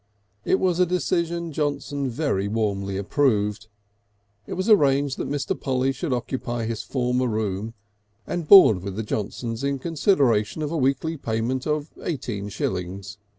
It was a decision Johnson very warmly approved. It was arranged that Mr. Polly should occupy his former room and board with the Johnsons in consideration of a weekly payment of eighteen shillings.